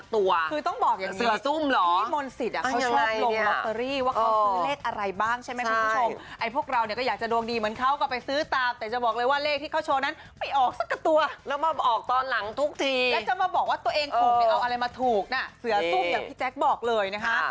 ตัวเองถูกเนี่ยเอาอะไรมาถูกนะเสือซุ่มอย่างพี่แจ๊กบอกเลยนะฮะ